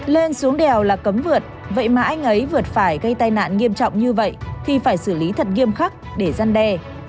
lên xuống đèo là cấm vượt vậy mà anh ấy vượt phải gây tai nạn nghiêm trọng như vậy thì phải xử lý thật nghiêm khắc để gian đe